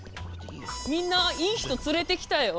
みんないい人連れてきたよ。